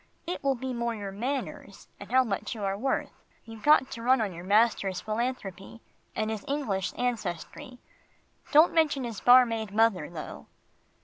"It will be more your manners, and how much you are worth. You've got to run on your master's philanthropy, and his English ancestry. Don't mention his barmaid mother though."